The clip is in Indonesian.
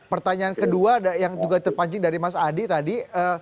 pertanyaan kedua yang juga terpancing dari mas adi tadi